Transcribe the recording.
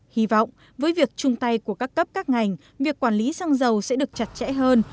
hy vọng với việc chung tay của các cấp các ngành việc quản lý xăng dầu sẽ được chặt chẽ hơn